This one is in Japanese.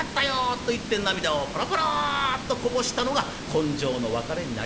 と言って涙をポロポロっとこぼしたのが今生の別れになりました』。